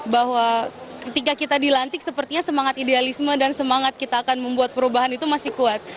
bahwa ketika kita dilantik sepertinya semangat idealisme dan semangat kita akan membuat perubahan itu masih kuat